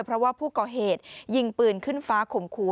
เพราะว่าผู้ก่อเหตุยิงปืนขึ้นฟ้าข่มขู่